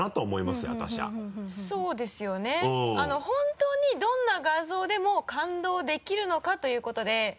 本当にどんな画像でも感動できるのかということで。